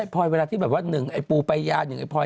พลอยเวลาที่แบบว่าหนึ่งไอ้ปูไปยาหนึ่งไอ้พลอย